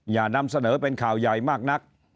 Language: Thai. อย่านำเสนอเป็นข่าวใหญ่มากนัก